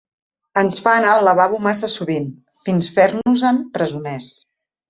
Ens fa anar al lavabo massa sovint, fins fer-nos-en presoners.